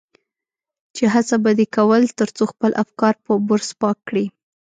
چې هڅه به دې کول تر څو خپل افکار په برس پاک کړي.